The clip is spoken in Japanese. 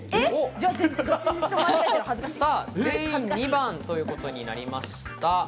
全員２番ということになりました。